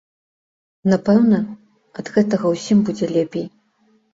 Напэўна, ад гэтага ўсім будзе лепей.